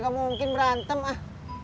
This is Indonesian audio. gak mungkin berantem ah